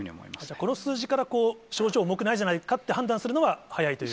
この数字から、症状重くないじゃないかと判断するのは、早いという？